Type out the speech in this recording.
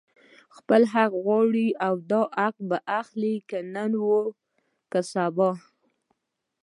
خپل حق غواړي او دا حق به اخلي، که نن وو که سبا